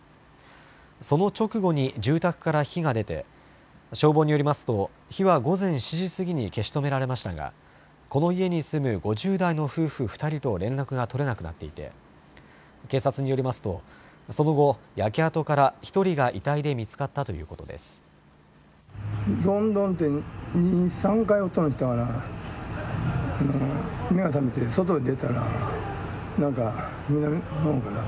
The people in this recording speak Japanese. その直後に住宅から火が出て消防によりますと火は午前７時過ぎに消し止められましたがこの家に住む５０代の夫婦２人と連絡が取れなくなっていて警察によりますとその後、焼け跡から１人が遺体で見つかったということです。